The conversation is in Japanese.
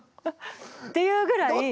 っていうぐらい。